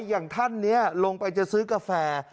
อย่างท่านนี้ลงไปจะซื้อกาแฟ